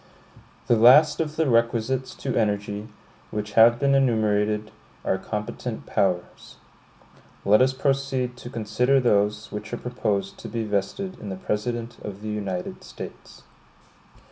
The last of the requisites to energy, which have been enumerated, are competent powers. Let us proceed to consider those which are proposed to be vested in the President of the United States.